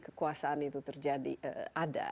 kekuasaan itu terjadi ada